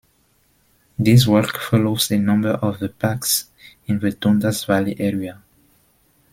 This walk follows a number of the parks in the Dundas Valley area.